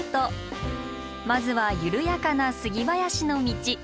まずは緩やかな杉林の道。